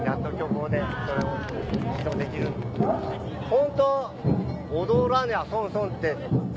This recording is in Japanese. ホント。